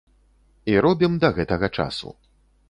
І робім да гэтага часу.